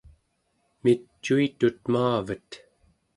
micuitut maavet